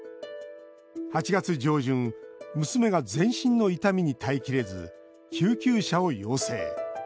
８月上旬娘が、全身の痛みに耐えきれず救急車を要請。